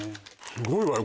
すごいわよ